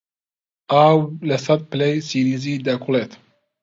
ئاو لە سەد پلەی سیلیزی دەکوڵێت.